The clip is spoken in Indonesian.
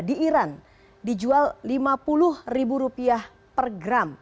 di iran dijual rp lima puluh per gram